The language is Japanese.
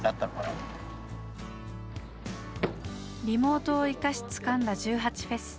リモートを生かしつかんだ１８祭。